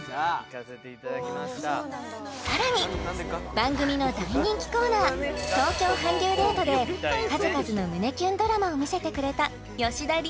番組の大人気コーナー「東京韓流デート」で数々の胸キュンドラマを見せてくれた吉田莉